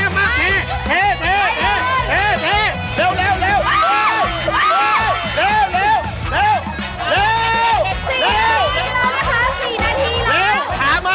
จากนี้ครับ